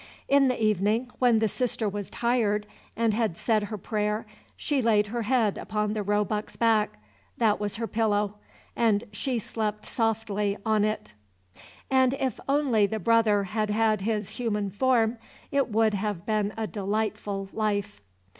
In the evening, when the sister was tired, and had said her prayer, she laid her head upon the roebuck's back: that was her pillow, and she slept softly on it. And if only the brother had had his human form it would have been a delightful life.